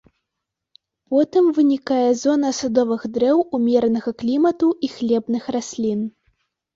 Потым вынікае зона садовых дрэў умеранага клімату і хлебных раслін.